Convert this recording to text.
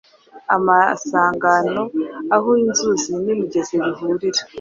Amasangano: aho inzuzi n’imigezi bihurira.